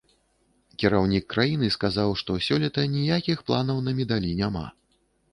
Кіраўнік краіны сказаў, што сёлета ніякіх планаў на медалі няма.